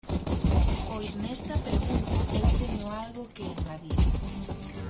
Pois nesta pregunta eu teño algo que engadir.